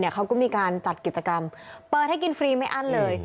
เขาก็มีการจัดกิจกรรมเปิดให้กินฟรีไม่อั้นเลย